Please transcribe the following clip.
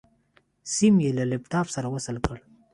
سيم يې له لپټاپ سره وصل کړ.